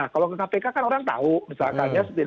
kalau ke kpk kan orang tahu misalkan ya